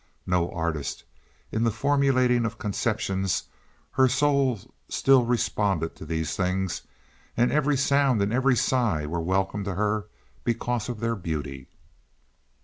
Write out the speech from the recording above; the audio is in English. No artist in the formulating of conceptions, her soul still responded to these things, and every sound and every sigh were welcome to her because of their beauty.